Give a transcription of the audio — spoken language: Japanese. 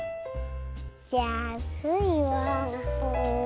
じゃあスイは。